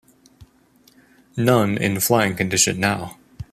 None in flying condition now.